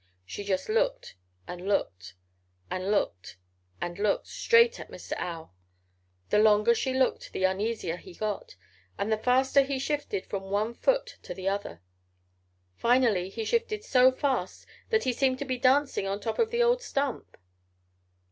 She just looked and looked and looked and looked straight at Mr. Owl. The longer she looked the uneasier he got and the faster he shifted from one foot to the other. Finally he shifted so fast that he seemed to be dancing on top of the old stump.